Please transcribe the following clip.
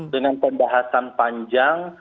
dengan pembahasan panjang